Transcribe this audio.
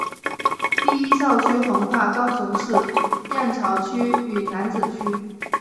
第一校区横跨高雄市燕巢区与楠梓区。